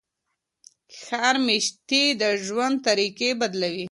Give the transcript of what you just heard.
ښار میشتي د ژوند طریقې بدلوي.